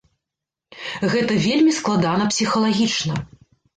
Гэта вельмі складана псіхалагічна.